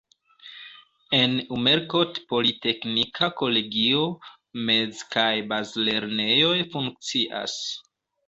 En Umerkot politeknika kolegio, mez- kaj bazlernejoj funkcias.